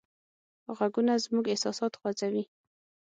غږونه زموږ احساسات خوځوي.